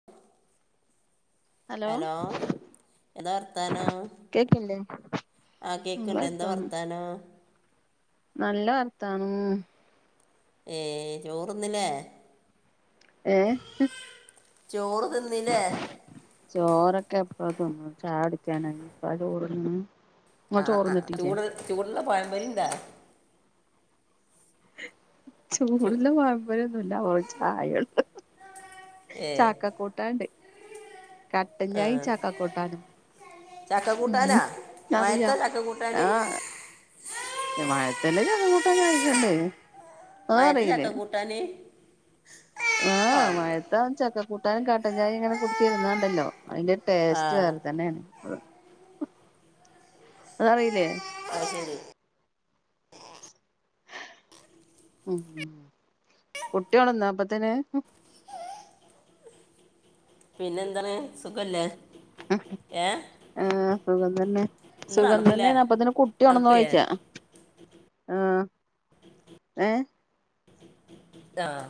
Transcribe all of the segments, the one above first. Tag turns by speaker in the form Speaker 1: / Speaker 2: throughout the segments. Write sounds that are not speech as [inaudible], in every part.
Speaker 1: [inaudible]
Speaker 2: Hello
Speaker 1: എതാ വർത്താനം
Speaker 2: കേക്കില്ലേ
Speaker 1: ആ
Speaker 2: നല്ല
Speaker 1: കേക്കണ്ട് എന്താ
Speaker 2: വർത്താനം
Speaker 1: വർത്താനോ
Speaker 2: നല്ല വർത്താനം
Speaker 1: ഏ ചോറൊന്നില്ലേ
Speaker 2: ഏ
Speaker 1: ചോറ് തിന്നില്ലേ
Speaker 2: ചോറൊക്കെ എപ്പ തിന്നും ചായ കുടിക്കാനായി ഇപ്പള്ള ചോർനെ
Speaker 1: ആഹ് ആ ചൂടു ചൂടുള്ള പഴമ്പരി ഇണ്ടാ ചൂ
Speaker 2: ചൂടുള്ള പാമ്പര്യൊന്നുമല്ല ചായൊള്ളു
Speaker 1: ഏ
Speaker 2: ചാക്ക കൂട്ടാണ്ട്
Speaker 1: ആ
Speaker 2: കട്ടൻചായ ചാക്ക കൂട്ടാനും
Speaker 1: ചക്ക കൂട്ടാനാ
Speaker 2: ഉ അറിയാ
Speaker 1: മയത്ത ചക്ക കൂട്ടാന്
Speaker 2: ആഹ മഴത്തല്ലേ ചക്കകൂട്ടാൻ കായിക്കണ്ടേ
Speaker 1: മഴത്ത് ചക്ക കൂട്ടാൻ
Speaker 2: ആഹ് മയത്താ ചക്കക്കൂട്ടാനും കട്ടൻചായിം ഇങ്ങനെ കുടിച്ചിര്ന്നാണ്ടല്ലോ അതിന്റെ
Speaker 1: ആ
Speaker 2: ടേസ്റ്റ് വേറെ തന്നെയാണ് അതറിയില്ലേ
Speaker 1: അ [unintelligible]
Speaker 2: കുട്ടിഓണന്നോ അപ്പത്തിന്
Speaker 1: പിന്നെ എന്താണ് സുഖല്ലേ ഏഹ്
Speaker 2: ആഹ് സുഖംതന്നെ സുഖംതന്നെ
Speaker 1: തണുപ്പില്ലേ
Speaker 2: അപ്പത്തിന് കുട്ടിഓണന്നോ
Speaker 1: തണുപ്പില്ലേ
Speaker 2: ചോയിച്ചാ ആഹ് ഏഹ്
Speaker 1: ആഹ്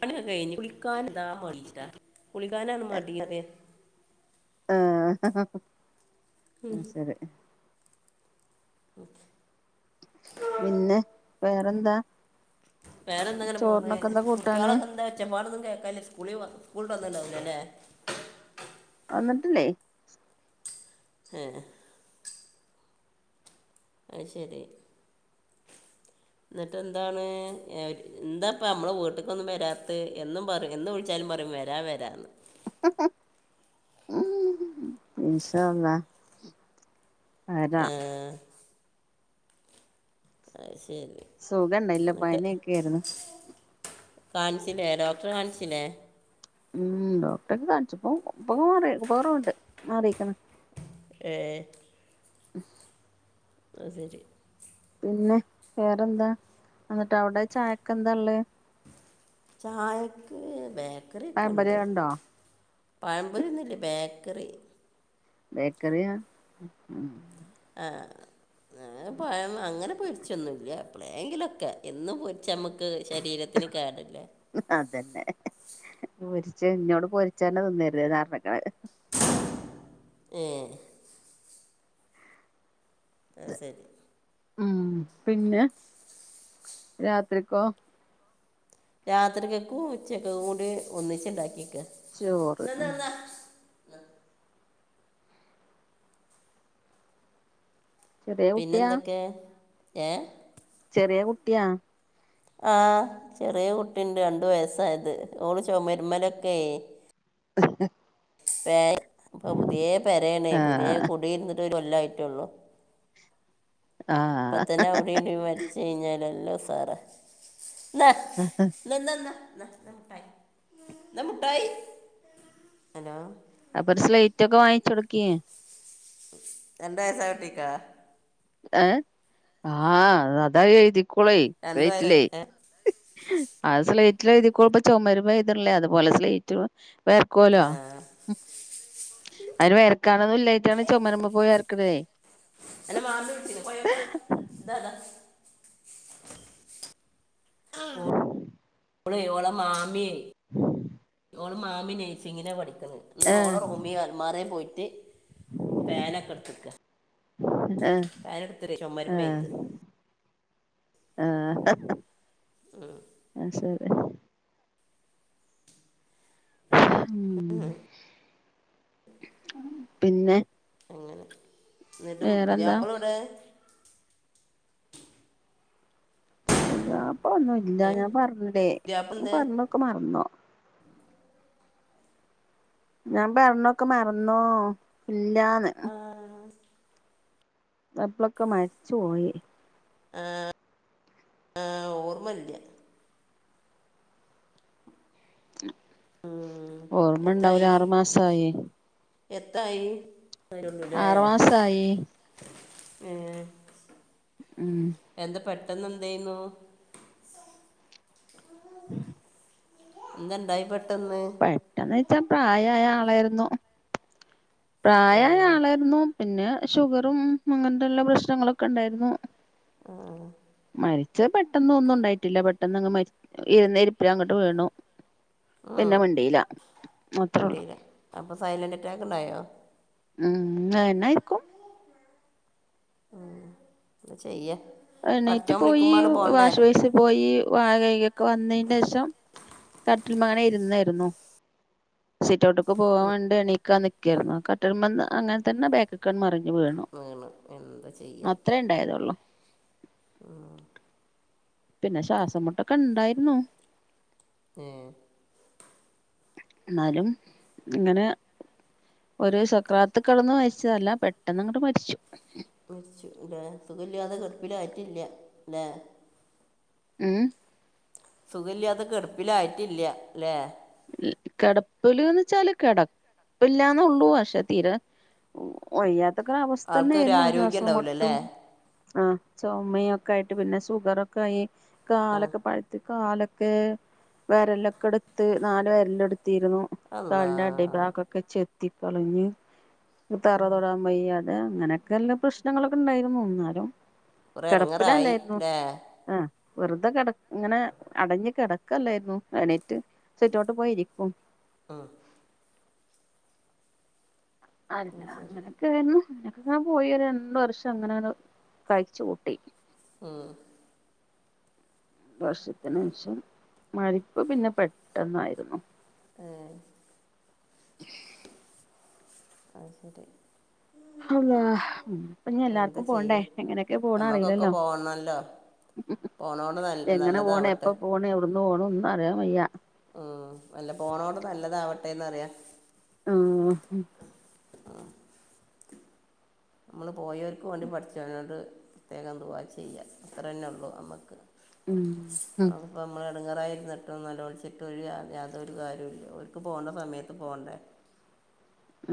Speaker 1: പണിയൊക്കെ കഴിഞ്. കുളിക്കാൻതാ മട്ച്ട്ടാ കുളിക്കാനാന്ന് മടി
Speaker 2: ആഹ്
Speaker 1: മം
Speaker 2: അത് ശരി
Speaker 1: ഓഫെ [unintelligible]
Speaker 2: പിന്നെ വേറെന്താ
Speaker 1: വേറെന്താ ഇങ്ങനെ പോണ്
Speaker 2: ചോറിനൊക്കെ എന്താ കൂട്ടാന്
Speaker 1: കുട്ടികളൊക്കെ എന്താ ഒച്ചപ്പാടൊന്നും കേൾക്കാല്ല സ്കൂളിൽ സ്കൂളട്ട് വന്നട്ട്ണ്ടാകുലല്ലേ
Speaker 2: വന്നിട്ടില്ലേ
Speaker 1: ഏഹ്. അത് ശരി എന്നിട്ട് എന്താണ് എ ന്താപ്പം നമ്മള വീട്ട്ക്കോന്നും വരാത്തെ എന്നും പറിം എ വിളിച്ചാലും പറിം വേര വേരാ
Speaker 2: മം ഇൻഷാല്ലാഹ് [unintelligible]
Speaker 1: [inaudible] അയ്ശേരി
Speaker 2: സുഖണ്ടായില്ല പനിയൊക്കെഏര്ന്ന്.
Speaker 1: കാണ്ച്ചിലേ ഡോക്ടറേകാണ്ച്ചില്ലേ
Speaker 2: മം ഡോക്ടറെക്ക് കാണിച് പ്പ പ്പകൊറവ്ണ്ട് മാറിയിക്ക്ണ്.
Speaker 1: ഏഹ്
Speaker 2: ഉ
Speaker 1: അയ്സെരി
Speaker 2: പിന്നെ വേറെന്താ എന്നിട്ട് അവിടെ ചായക്കെന്താള്ളേ
Speaker 1: ചായക്ക് ബേക്കറി
Speaker 2: പഴംപൊരി
Speaker 1: ഒക്കെണ്ട്
Speaker 2: ഉണ്ടോ
Speaker 1: പഴമ്പൊരിന്ന്ല്ല ബേക്കറി
Speaker 2: ബേകറിയാ
Speaker 1: ആഹ് ഞങള് പയം അങ്ങനെ പൊരിച്ചൊന്നുല്ല എപ്പോളെങ്കിലൊക്കെ എന്ന് ചമക്ക് ശരീരത്തിന് കേടല്ലേ
Speaker 2: അതെന്നെ പൊരിച്ച് ഇന്നോട് പൊരിച്ചന്നെ നിന്നര്ത് ന്നാപർഞ്ക്നത്
Speaker 1: ഏഹ് അത്സെരി
Speaker 2: മം പിന്നെ രാത്രിക്കോ
Speaker 1: രാത്രികക്കും ഉച്ചകക്കും കൂടി ഒന്നിച് ഇണ്ടാക്കിയക്ക
Speaker 2: ചോറ് ചെറിയ കുട്ടിയാ
Speaker 1: പിന്നെന്തൊക്കെ ഏഹ്
Speaker 2: ചെറിയ കുട്ടിയാ
Speaker 1: ആഹ് ചെറിയ കുട്ടിണ്ട് രണ്ടു വയസ്സായത് ഓള് ചൊമര്മലൊക്കെയ
Speaker 2: ഉ [unintelligible]
Speaker 1: [unintelligible] ഇപ്പൊ പുതിയ പെരണേ പുതിയെ
Speaker 2: ആഹ്
Speaker 1: കുടിരുന്നിട്ട് ഒരു കൊല്ലായിട്ടോള്ളു
Speaker 2: ആഹ്
Speaker 1: അപ്പംത്തന്നെ അവിടെവിടിം വരച്ച കഴിഞ്ഞാല് നല്ല ഉസാറാ ന്നാ
Speaker 2: ആഹ്
Speaker 1: എന്നന്ന മുട്ടായി നാ മുട്ടായി ഹലോ
Speaker 2: അപ്പൊ ഒരു സ്ലൈറ്റ് ഒക്കെ വാങ്ങിചോട്ക്കി
Speaker 1: രണ്ട് വയസ്സായ കുട്ടിക്കാ
Speaker 2: ഏഹ് ആഹ് അതായെതിക്കോളെയ്
Speaker 1: രണ്ട് വയസ്സ്
Speaker 2: സ്ളൈറ്റിലേ
Speaker 1: ഏ?
Speaker 2: അത് സ്ലൈറ്റിലഴുതിക്കെട്ടെ ചൊമരുമ്മെ എയ്ത്ണ്ല്ലേ അതുപോലെ സ്ലൈറ്റും പെയക്കോല
Speaker 1: ആ
Speaker 2: ഉം അയിന് വെരക്കാനൊന്നും ഇല്ലായിട്ടാണ് ചുമരുമ്മെ പോയി വരക്കണയ്
Speaker 1: അന്നെ മാമി വിളിച്ചിനു പൊയൊക്കാ താതാ ഓള് ഓളെ മാമി എയ് ഓളെ മാമി നഴ്സിങ്ങിനാ പഠിക്കണ് എന്നിട്ട്
Speaker 2: ആഹ്
Speaker 1: ഓളെ റൂമി അൽമാറേ പോയിട്ട് പെനൊക്കെ എടുത്തിക്ക
Speaker 2: ആഹ്
Speaker 1: പേന എടുത്ത്ട്ട് ചൊമരമ്മെ എയ്താ
Speaker 2: ആഹ്
Speaker 1: ഉം
Speaker 2: ആത് ശരി
Speaker 1: ഉം
Speaker 2: പിന്നെ
Speaker 1: അങ്ങനെ എന്നിട്ടും
Speaker 2: വേറെന്താ
Speaker 1: പുതിയപ്പളൊടെ
Speaker 2: പുതിയാപ്ലാ ഒന്നുംല്ല
Speaker 1: ഏ
Speaker 2: ഞാൻ പറഞ്ഞിലെ
Speaker 1: പുതിയാപ്പിള
Speaker 2: ഞാൻ
Speaker 1: എന്ത്
Speaker 2: പറഞ്ഞതൊക്കെ മറന്നോ ഞാൻ പറഞ്ഞൊക്കെ മറന്നോ ഇല്ലാന്ന്
Speaker 1: ആഹ്
Speaker 2: പ്പളൊക്കെ മരിച്ചു പോയി
Speaker 1: ആഹ് ആ ഓർമ്മല്ല ഉം.
Speaker 2: ഉ ഓർമ്മ ഇണ്ടാവൂല
Speaker 1: എത്തായി
Speaker 2: ആറു മാസായെയ്
Speaker 1: എത്തായി വരന്നൂലെ
Speaker 2: ആറു
Speaker 1: ഏഹ്
Speaker 2: മാസായി ഉം
Speaker 1: എന്താ പെട്ടെന്ന് എന്തെയ്ന്നൂ
Speaker 2: [unintelligible]
Speaker 1: എന്താണ്ടായി പെട്ടന്ന്
Speaker 2: പെട്ടെന്ന് വെച്ചാ പ്രായായ ആളായിരുന്നു പ്രായയ
Speaker 1: ഉം
Speaker 2: ആളായിരുന്നു പിന്നെ ഷുഗറും അങ്ങനത്തെല്ല പ്രശ്നങ്ങളൊക്കെ ഉണ്ടായിരുന്നു
Speaker 1: ആഹ് ആഹ്
Speaker 2: മരിച്ച പെട്ടെന്ന്ഒന്നും ഉണ്ടായിട്ടില്ല പെട്ടെന്ന് അങ്ങ് മരി ഇരന്ന ഇരിപ്പിൽ അങ്ങട്ട് വീണു പിന്നെ മിണ്ടീല
Speaker 1: മിണ്ടീല അപ്പോ സൈലൻറ് ആക്കറ്റാക്ക് ഇണ്ടായോ
Speaker 2: ഉം ന്നാ അതന്നെയിരിക്കും
Speaker 1: എന്താ ചെയ്യാ
Speaker 2: എണീറ്റ് പോയി വാഷ് വൈയ്സി പോയി വാ കെയ്കൊക്കെ വന്നതിന്റെ ശേഷം കട്ടിൽമങ്ങനെ ഇരുന്നായിരുന്നു സിറ്റ്ഔട്ട്ക്ക് പോവാൻ വേണ്ടി എണീക്കാൻ നിക്കെയിരുന്നു കട്ടിൽമെന്ന് അങ്ങനെ തന്നെ ബേക്ക്ക്ക് ക്കൺ മറിഞ്ഞ് വീണു
Speaker 1: വീണ് എന്താ
Speaker 2: അത്രേ ഇണ്ടായതൊള്ളൂ
Speaker 1: ഉം
Speaker 2: പിന്നെ ശ്വാസം മുട്ടൊക്കെ ഇണ്ടായിരുന്നു
Speaker 1: ആഹ്
Speaker 2: ന്നാലും ഇങ്ങനെ ഒരു സക്രാത്ത് കെടന്ന് മരിച്ചതല്ല പെട്ടെന്ന് അങ്ങോട്ട് മരിച്ചു
Speaker 1: ലെ സുഖല്ലാതെ കെട്പ്പില ആയിറ്റില്ല ല്ലേ
Speaker 2: ഉം
Speaker 1: സുഖല്ലാതെ കെട്പ്പിലായിറ്റില്ല ല്ലേ
Speaker 2: കെടപ്പില്ന്ന് ച്ചാല് കിടപ്പില്ലാന്നെള്ളൂ പക്ഷെ തീരെ വയ്യാത്തൊക്കെര അവസ്ഥ
Speaker 1: ആൾക്ക് ഒരു
Speaker 2: തന്നെയ്രുന്നു
Speaker 1: ആരോഗ്യം ഉണ്ടാവില്ല അല്ലേ
Speaker 2: ആസാസമുട്ടും ആഹ് ചുമയൊക്കെ ആയിട്ട് പിന്നെ ഷുഗറൊക്കെ ആയി
Speaker 1: ആ
Speaker 2: കാലൊക്കെ പഴുത്ത് കാലൊക്കെ വെരലൊക്കെ എടുത്ത് നാല് വെരൽ എടുത്തിരുന്നു.
Speaker 1: അല്ല
Speaker 2: കല്ന്റെ അടിഭാഗൊക്കെ ചെത്തികളഞ്ഞ് തറ തൊടാൻ വയ അതെ അങ്ങനെക്കെ ഇല്ല പ്രശ്നങ്ങളൊക്കെ ഉണ്ടായിരുന്നു. ഇന്നാലും
Speaker 1: കുറെ ഇറങ്ങറായി
Speaker 2: കിടപ്പിലല്ലായിരുന്നു.
Speaker 1: അല്ലേ
Speaker 2: ആഹ് വെറുതെ കേട ഇങ്ങനെ അടഞ് കിടക്കല്ലായിരുന്നു എണീറ്റ് സിടൗറ്റ് പോയിരിക്കും
Speaker 1: മം.
Speaker 2: അല്ല
Speaker 1: അത് ശരി
Speaker 2: അങ്ങനെയൊക്കെ ആരുന്നു അങ്ങനെക്കങ്ങനെ പോയി ഒര്രണ്ട് വർഷം അങ്ങനെ കഴിച് കൂട്ടി
Speaker 1: മം
Speaker 2: വർഷത്തിനേഷം മരിപ്പ് പിന്നെ പെട്ടെന്നായിരുന്നു.
Speaker 1: ഏഹ് അത് ശരി
Speaker 2: അല്ലാഹ് ഇപ്പൊ പിന്നെ എല്ലാർക്കും പോണ്ടേ എങ്ങനെയൊക്കെ പോവണെന്ന് അറിയില്ലല്ലോ
Speaker 1: ഒന്നല്ല.
Speaker 2: എങ്ങനെ പോണ് എപ്പ പോണ് എവിടന്ന് പോണന്ന് ഒന്നും അറിയാൻ വയ്യ.
Speaker 1: ഉം അല്ല പോണോട് നല്ലതാവട്ടെന്ന് അറിയ.
Speaker 2: മം
Speaker 1: നമ്മൾ പോയൊർക്ക് വേണ്ടി പടച്ചോനോട് പ്രത്യേകംദുവാ ചെയ്യ. അത്രന്നെ ഉള്ളൂ നമുക്ക്.
Speaker 2: ഉംമം മം
Speaker 1: പ്പോ നമ്മൾ എടുങ്ങെറായിരുന്നിട്ടും നോലോൽച്ട്ടും ഒരു യാതൊരു കാര്യവുംല്ല ഒർക്ക് പോണ്ട സമയത്ത് പോണ്ടെ.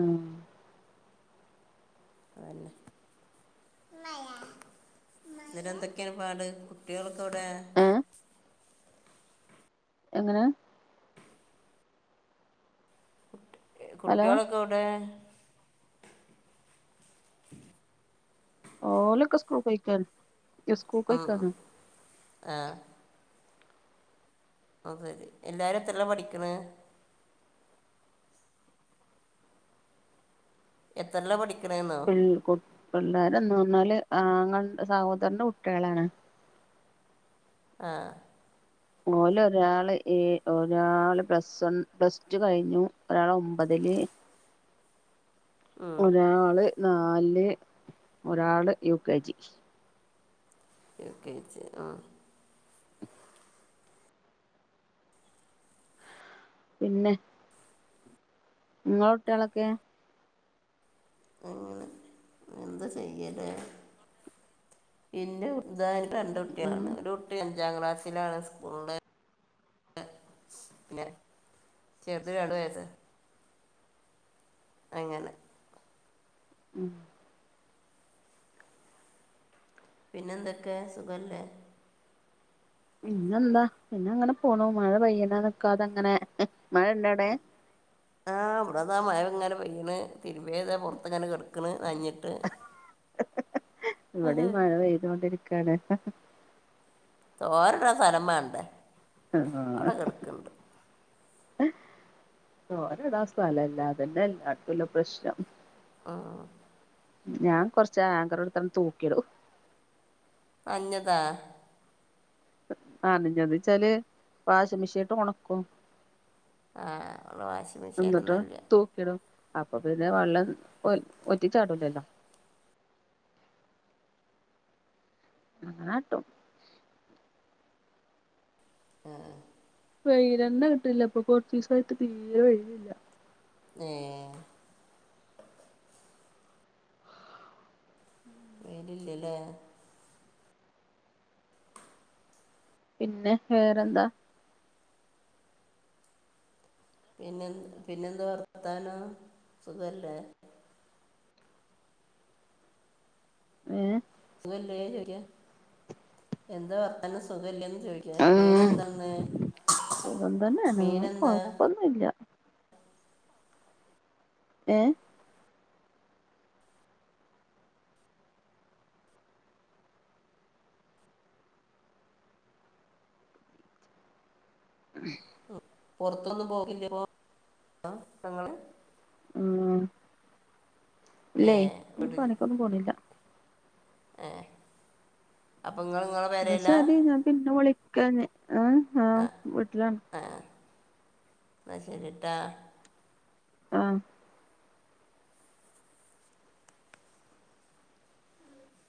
Speaker 2: ഉംമം
Speaker 1: അതെന്നെ [unintelligible] ഇന്നട്ട് എന്തൊക്കെയാണ് പാട് കുട്ടികൾക്കെ എവ്ടെ?
Speaker 2: ഏ എങ്ങനെ? ഹലോ
Speaker 1: കുട്ടികളൊക്കെ എവ്ടെ?
Speaker 2: ഓലൊക്കെ ഉസ്കൂള് പൊയ്ക്കാണ്.
Speaker 1: ആഹ് അത് സെരി എല്ലാരും എത്രലാ പഠിക്കണ്? എത്രല്ലാ പഠിക്കണന്ന്.
Speaker 2: പിള് കു പിള്ളേര് എന്ന് പറഞ്ഞാല് ആ അങ്ങടെ സഹോദരന്റെ കുട്ടികളാണ്.
Speaker 1: ആഹ്.
Speaker 2: ഒല് ഒരാള് എ ഒരാള് പ്ലസ്വൺ പ്ലസ് ടു കഴിഞ്ഞു ഒരാൾ ഒമ്പതില്. ഒരാള് നാല്, ഒരാള് U K G.
Speaker 1: U K G മം
Speaker 2: പിന്നെ? ങ്ങളെ കുട്ടികളൊക്കെ?
Speaker 1: എന്ത്‌ ചെയ്യലേ? ഇന്റെ [unintelligible] രണ്ട്
Speaker 2: ഉം
Speaker 1: കുട്ടികളാണ് ഒരു കുട്ടി അഞ്ചാം ക്ലാസ്സിലാണ് സ്കൂളില്. പിന്നെ ചെറുത് ഇളയത്. അങ്ങനെ
Speaker 2: ഉം
Speaker 1: പിന്നെ എന്തൊക്കെ സുഖല്ലേ?
Speaker 2: പിന്നെന്താ പിന്ന അങ്ങനെ പോണു മഴ പെയ്യന്നാ നിക്കാതെ അങ്ങനെ മഴ ഉണ്ടോ അവിടെ?
Speaker 1: ആ വിടെതാ മഴ ഇങ്ങനെ പെയ്യണ് തിറുമ്പിയത് ഇതാ പുറത്ത്ങ്ങനെ കെടക്കണ് നന്ഞ്ഞ.
Speaker 2: ഇവിടിം മഴ പെയ്തോണ്ടിരിക്കണ്.
Speaker 1: തോരടാൻ സ്ഥലം മാണ്ടേ.
Speaker 2: ആഹ് ആ തോരിടാൻ സ്ഥല്ല്ലാഅതന്നെ എല്ലടതുള്ള പ്രശ്നം.
Speaker 1: ആഹ്.
Speaker 2: ഞാൻ കൊറച് ആങ്കറടുത്തങ്ങട് തൂക്കിടും.
Speaker 1: നനഞ്ഞതാ?
Speaker 2: ആഹ് നന്ഞത്ച്ചാല് വാഷി മെഷീൻട്ട് ഒണക്കും.
Speaker 1: ആഹ് വ്ടെ വാഷിംഗ് മെഷീനന്നുല്ല.
Speaker 2: ക്കെലും അപ്പൊ പിന്നെ വള്ളം ഒല് ഒറ്റിച്ചാടൂലല്ലോ. അങ്ങനാട്ടും
Speaker 1: ആഹ്
Speaker 2: വെയിലന്നെ കിട്ടിണ്ല്ല ഇപ്പൊ കൊറച്ചിസായിട്ട് തീരെ വെയിലില്ല.
Speaker 1: ഏഹ് വേയ്ലില്ലല്ലേ?
Speaker 2: പിന്നെ വേറെന്താ?
Speaker 1: പിന്നെന്ത് പിന്നെന്താ വർത്താനം സുഖല്ലേ?
Speaker 2: ഏഹ്
Speaker 1: സുഖല്ലേ ചോയ്ക്ക എന്താ വർത്താനം സുഖല്ലേന്ന് ചോദിക്ക. ക്കാ മീനെന്താന്ന് മീന എന്താ
Speaker 2: ന്നൂല്ല ഏഹ് [unintelligible]
Speaker 1: പുറത്തൊന്നും പോക്കില്ലെ പ്പൊ ആ ഇങ്ങള്
Speaker 2: ആഹ്
Speaker 1: ഏ
Speaker 2: ഇല്ലേയ് ഞാൻ പണിക്കൊന്നും പോണില്ല
Speaker 1: ഏഹ് അപ്പൊ ഇങ്ങള് ഇങ്ങളെ
Speaker 2: ന്നാ
Speaker 1: പെരെലാ
Speaker 2: ശരി ഞാൻ പിന്നെ വിളിക്കാഞ്ഞി ഏ ആഹ് വീട്ടിലാണ്
Speaker 1: ആഹ് ന്നശരിട്ടാ
Speaker 2: ആഹ്